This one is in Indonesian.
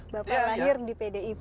bapak lahir di pdip